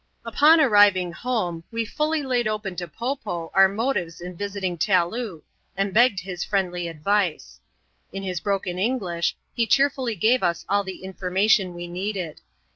Upon arriving home, we fuUj 'laid open to Po Po our motives in visiting Taloo, and begged his friendly advice. In his broken English, he cheerfully gave us all the^ information we needed.